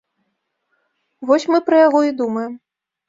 Вось мы пра яго і думаем.